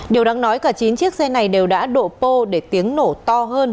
điều đáng nói cả chín chiếc xe này đều đã độ pô để tiếng nổ to hơn